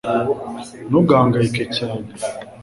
ntugahangayike cyane